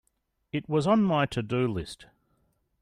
It was on my to-do list.